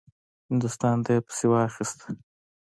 هندوستان ته یې پسې واخیست.